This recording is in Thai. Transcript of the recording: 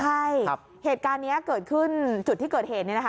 ใช่เหตุการณ์นี้เกิดขึ้นจุดที่เกิดเหตุเนี่ยนะคะ